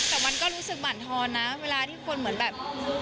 แต่มันก็รู้สึกบั่นทอนนะเวลาที่คนเหมือนแบบ